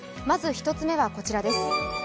まずは１つ目はこちらです。